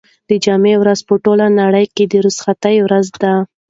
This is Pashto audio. د جمعې ورځ په ټوله نړۍ کې د رخصتۍ ورځ ده.